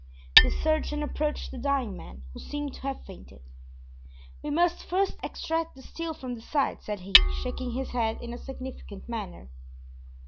The surgeon approached the dying man, who seemed to have fainted. "We must first extract the steel from the side," said he, shaking his head in a significant manner.